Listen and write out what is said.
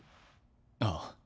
ああ。